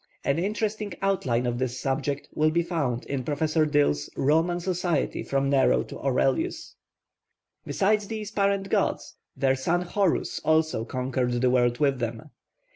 An interesting outline of this subject will be found in Professor Dill's Roman Society from Nero to Aurelius. Besides these parent gods their son Horus also conquered the world with them.